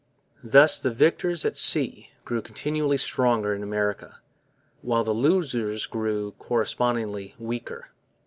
Thus the victors at sea grew continually stronger in America, while the losers grew correspondingly weaker.